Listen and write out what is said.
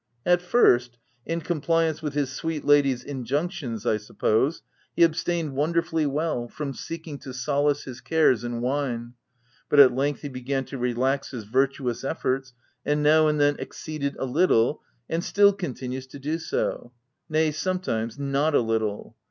At first, (in compliance with his sweet lady's injunctions, I suppose) he abstained wonder fully well from seeking to solace his cares in wine ; but at length he began to relax his vir tuous efforts, and now and then exceeded a little, and still continues to do so nay, sometimes, not a little.